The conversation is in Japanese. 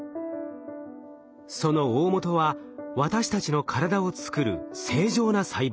そのおおもとは私たちの体を作る正常な細胞。